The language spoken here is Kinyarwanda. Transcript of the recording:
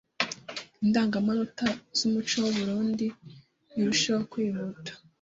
indangamanota z’umuco w’u Burunndi irusheho kwihuta